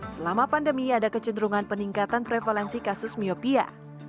selama pandemi ada kecenderungan peningkatan prevalensi kasus miopia